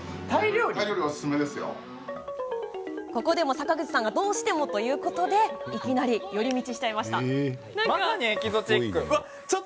坂口さんがどうしても、ということでいきなり寄り道しちゃいました。